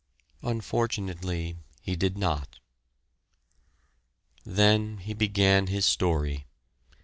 Unfortunately, he did not. Then he began his story.